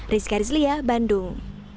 rizka rizlia bandung